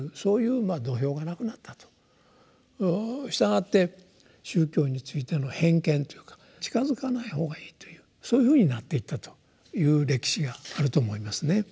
したがって宗教についての偏見というか近づかない方がいいというそういうふうになっていったという歴史があると思いますね。